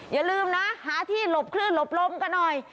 อย่าลืมนะหาที่หลบคลื่นหลบลมกันหน่อย